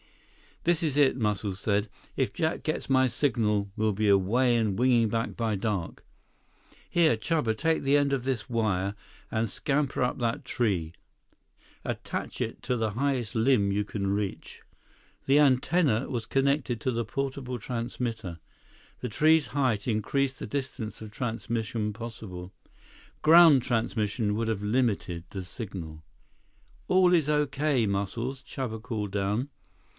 "This is it," Muscles said. "If Jack gets my signal, we'll be away and winging by dark. Here, Chuba, take the end of this wire and scamper up that tree. Attach it to the highest limb you can reach." The antenna was connected to the portable transmitter. The tree's height increased the distance of transmission possible. Ground transmission would have limited the signal. "All is okay, Muscles," Chuba called down.